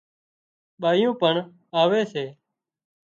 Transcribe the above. ٻايُون پڻ آوي سي